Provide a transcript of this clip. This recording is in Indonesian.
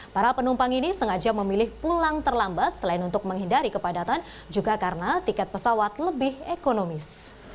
para penumpang ini sengaja memilih pulang terlambat selain untuk menghindari kepadatan juga karena tiket pesawat lebih ekonomis